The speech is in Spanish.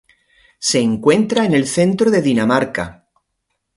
Se encuentra en el centro de Dinamarca.